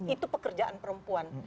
itu pekerjaan perempuan